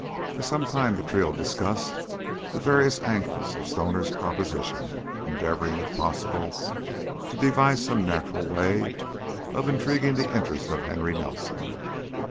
For some time the trio discussed the various angles of Stoner's proposition, endeavoring if possible to devise some natural way of intriguing the interest of Henry Nelson.